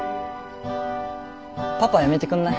パパやめてくんない？